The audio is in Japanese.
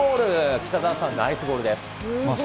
北澤さん、ナイスゴールです。